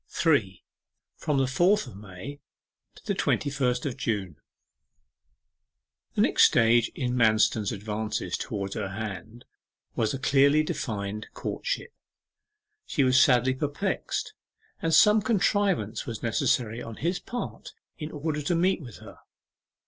3. FROM THE FOURTH OF MAY TO THE TWENTY FIRST OF JUNE The next stage in Manston's advances towards her hand was a clearly defined courtship. She was sadly perplexed, and some contrivance was necessary on his part in order to meet with her.